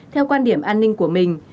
theo quan điểm an ninh của mình